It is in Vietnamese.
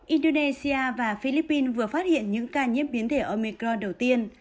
indonesia và philippines vừa phát hiện những ca nhiễm biến thể omecro đầu tiên